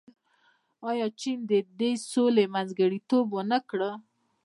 آیا چین د دې سولې منځګړیتوب ونه کړ؟